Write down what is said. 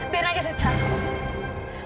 biar aja saya cari om